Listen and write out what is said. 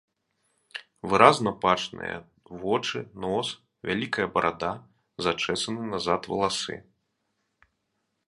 Выразна бачныя вочы, нос, вялікая барада, зачэсаны назад валасы.